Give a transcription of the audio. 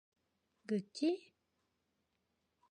그치?